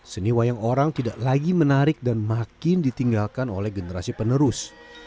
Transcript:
seni wayang orang tidak lagi menarik dan makin ditinggalkan oleh generasi penerus